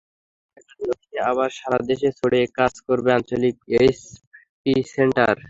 একাডেমির অধীনে আবার সারা দেশে ছড়িয়ে কাজ করবে আঞ্চলিক এইচপি সেন্টার।